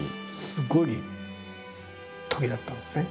すごいときだったんですね。